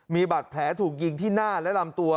มีบาดแผลถูกยิงที่หน้าและลำตัว